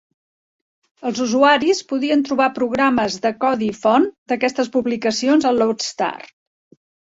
Els usuaris podien trobar programes de codi font d'aquestes publicacions a "Loadstar".